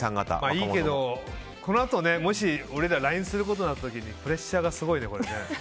いいけど、このあともしＬＩＮＥすることになったらプレッシャーがすごいね。